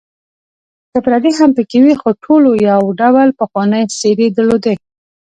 که پردي هم پکې وې، خو ټولو یو ډول پخوانۍ څېرې درلودې.